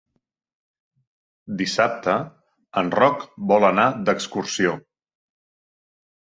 Dissabte en Roc vol anar d'excursió.